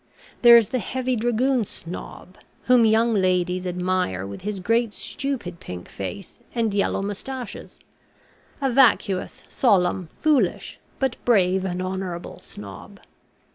There is the Heavy Dragoon Snob, whom young ladies, admire with his great stupid pink face and yellow moustaches a vacuous, solemn, foolish, but brave and honourable Snob.